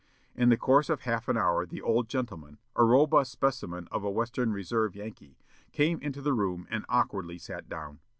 In the course of half an hour the old gentleman, a robust specimen of a Western Reserve Yankee, came into the room and awkwardly sat down.